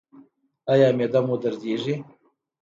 ایا معده مو دردیږي؟